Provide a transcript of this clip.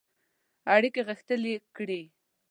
اړیکي غښتلي کړي.